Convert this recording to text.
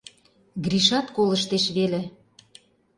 Гришат колыштеш веле.